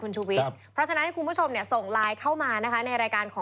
ชุวิตกำหมดวิสิทธิ์